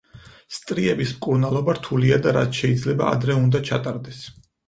სტრიების მკურნალობა რთულია და რაც შეიძლება ადრე უნდა ჩატარდეს.